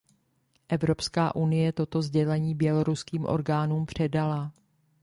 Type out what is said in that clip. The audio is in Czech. Evropská unie toto sdělení běloruským orgánům předala.